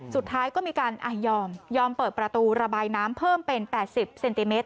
สุดท้ายก็มีการยอมยอมเปิดประตูระบายน้ำเพิ่มเป็น๘๐เซนติเมตร